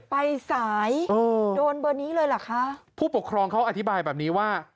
ไปสายโดนเบอร์นี้เลยเหรอคะผู้ปกครองเขาอธิบายแบบนี้ว่า